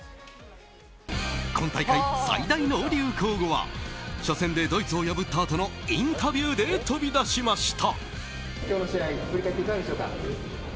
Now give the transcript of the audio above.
今大会、最大の流行語は初戦でドイツを破ったあとのインタビューで飛び出しました。